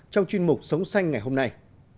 trong chuyên mục sống xanh ngày hôm nay